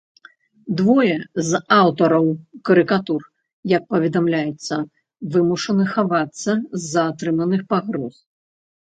Двое з аўтараў карыкатур, як паведамляецца, вымушаны хавацца з-за атрыманых пагроз.